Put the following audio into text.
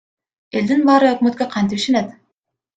Элдин баары өкмөткө кантип ишенет?